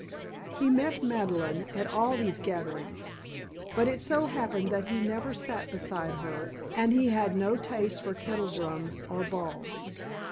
He met Madeleine at all these gatherings, but it so happened that he never sat beside her and he had no taste for kettledrums or balls.